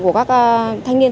của các thanh niên